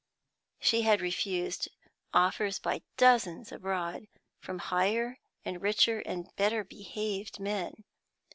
She had refused offers by dozens abroad, from higher, and richer, and better behaved men.